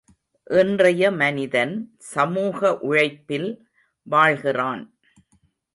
இன்றைய மனிதன் சமூக உழைப்பில் வாழ்கிறான்.